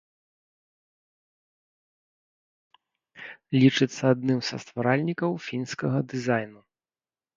Лічыцца адным са стваральнікаў фінскага дызайну.